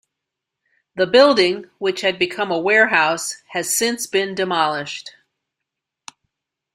The building, which had become a warehouse, has since been demolished.